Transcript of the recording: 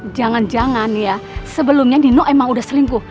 jangan jangan ya sebelumnya nino emang udah selingkuh